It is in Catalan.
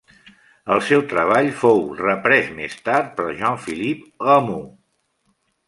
El seu treball fou reprès més tard per Jean-Philippe Rameau.